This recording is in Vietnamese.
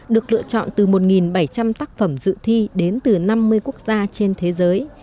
được lựa chọn từ một bảy trăm linh tác phẩm dự thi đến từ năm mươi quốc gia trên thế giới